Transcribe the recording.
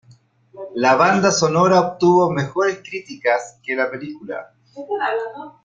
La banda sonora obtuvo mejores críticas que la película.